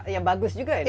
ya bagus juga ya